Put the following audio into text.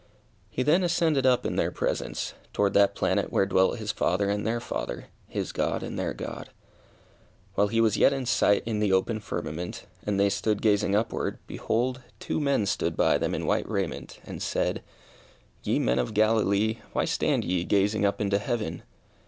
He then ascended up in their presence, toward that planet where dwelt his Father and their Father, his God and their God. While he was yet in sight in the open firmament, and they stood gazing upward, behold! two men stood by them in white raiment, and said "_Ye men of Galilee why stand ye gazing up into heaven?